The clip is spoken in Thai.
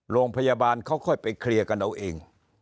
โรงพยาบาลเขาค่อยไปเคลียร์กันเอาเอง